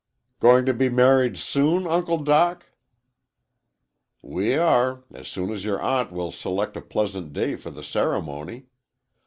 "Going to be married soon, Uncle Doc?" "We are. As soon as your aunt will select a pleasant day for the ceremony.